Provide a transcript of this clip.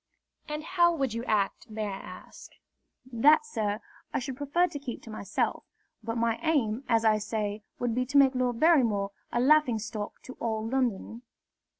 "And how would you act, may I ask?" "That, sir, I should prefer to keep to myself; but my aim, as I say, would be to make Lord Barrymore a laughing stock to all London."